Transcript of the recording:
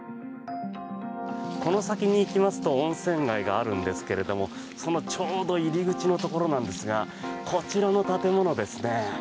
この先に行きますと温泉街があるんですけれどもそのちょうど入り口のところなんですがこちらの建物ですね。